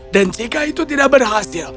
dan jika itu tidak berhasil